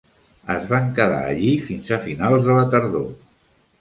Es van quedar allí fins a finals de la tardor.